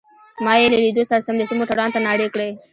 ما يې له لیدو سره سمدستي موټروان ته نارې کړې.